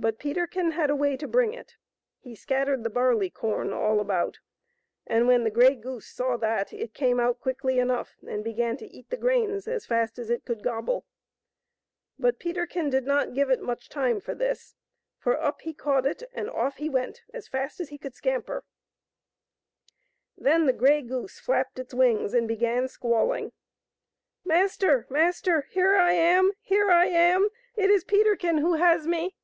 But Peterkin had a way to bring it; he scattered the barley corn all about, and when the grey goose saw that, it came out quickly enough and began to eat the grains as fast as it could gobble. But Peterkin did not give it much time for this, for up he caught it, and off he went as fast as he could scamper. Then the grey goose flapped its wings and began squalling. " Master ! master ! Here I am ! here I am ! It is Peterkin who has me